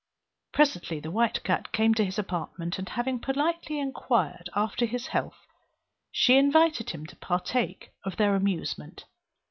Presently the white cat came to his apartment; and having politely inquired after his health, she invited him to partake of their amusement.